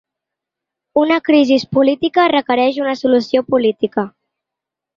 Una crisi política requereix una solució política.